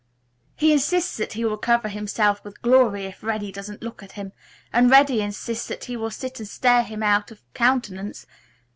"He insists that he will cover himself with glory if Reddy doesn't look at him, and Reddy insists that he will sit and stare him out of countenance.